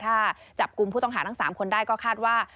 ถ้าจับกลุ่มผู้ต้องหาทั้ง๓คนได้ก็คาดว่า